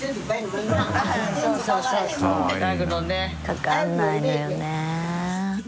かからないのよね。